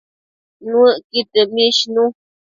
Nuëcqud dëmishnu